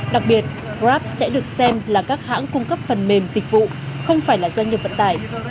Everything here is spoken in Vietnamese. đặc biệt grab sẽ được xem là các hãng cung cấp phần mềm dịch vụ không phải là doanh nghiệp vận tải